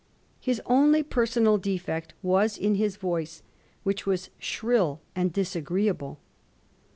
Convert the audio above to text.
His only personal defect was in his voice, which was shrill and disagreeable.